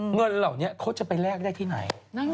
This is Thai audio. เงินเหล่านี้เขาจะไปแลกได้ที่ไหน